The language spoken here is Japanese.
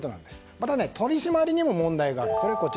また、取り締まりにも問題がある。